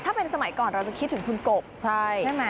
ถ้าเป็นสมัยก่อนเราจะคิดถึงคุณกบใช่ไหม